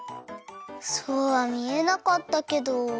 そうはみえなかったけど。